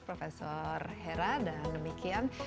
prof hera dan